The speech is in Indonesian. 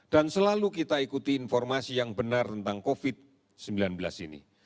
dan selalu kita ikuti informasi yang benar tentang covid sembilan belas ini